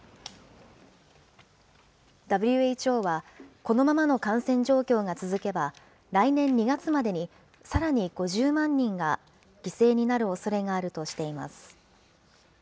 ＷＨＯは、このままの感染状況が続けば、来年２月までにさらに５０万人が犠牲になるおそれがあるとしています。